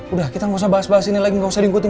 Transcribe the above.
udah kita gak usah bahas bahas ini lagi gak usah diikuti